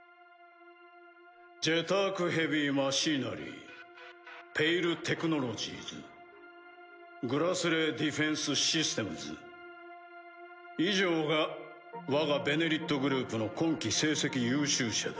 「ジェターク・ヘビー・マシーナリー」「ペイル・テクノロジーズ」「グラスレー・ディフェンス・システムズ」以上が我が「ベネリット」グループの今期成績優秀社だ。